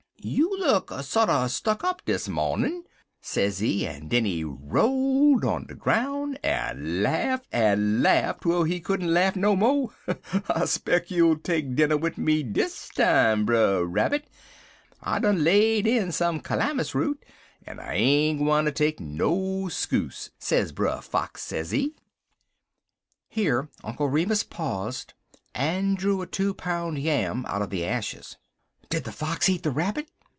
'You look sorter stuck up dis mawnin',' sezee, en den he rolled on de groun', en laft en laft twel he couldn't laff no mo'. 'I speck you'll take dinner wid me dis time, Brer Rabbit. I done laid in some calamus root, en I ain't gwineter take no skuse,' sez Brer Fox, sezee." Here Uncle Remus paused, and drew a two pound yam out of the ashes. "Did the fox eat the rabbit?"